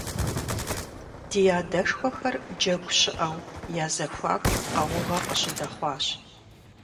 Ди адэшхуэхэр джэгу щыӀэу я зэхуаку къаугъэ къыщыдэхъуащ.